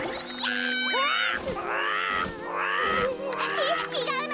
ちちがうの。